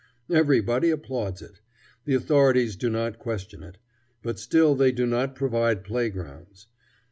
Everybody applauds it. The authorities do not question it; but still they do not provide playgrounds.